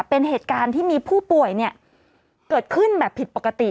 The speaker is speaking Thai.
เป็นเหตุการณ์ที่มีผู้ป่วยเกิดขึ้นแบบผิดปกติ